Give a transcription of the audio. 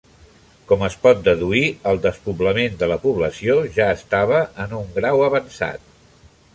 Com es pot deduir, el despoblament de la població ja estava en un grau avançat.